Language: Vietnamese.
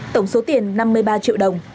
tổng số tiền năm mươi ba triệu đồng